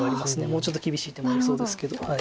もうちょっと厳しい手もありそうですけど。